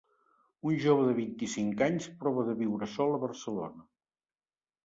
Un jove de vint-i-cinc anys prova de viure sol a Barcelona.